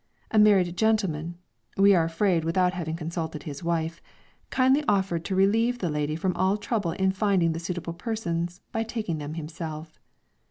A married gentleman we are afraid without having consulted his wife kindly offered to relieve the lady from all trouble in finding the suitable persons, by taking them himself.